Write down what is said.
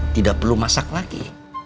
tidak perlu masak lagi